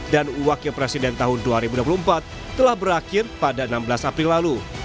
dan wakil presiden tahun dua ribu dua puluh empat telah berakhir pada enam belas april lalu